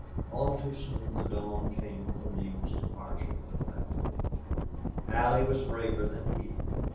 All too soon the dawn came for Neale's departure with Larry. Allie was braver than he.